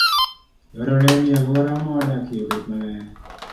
Dwarore ni alwora ma wadakie obed maler.